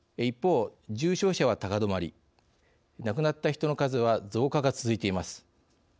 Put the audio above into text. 一方、重症者は高止まり亡くなった人の数は増加が続いています。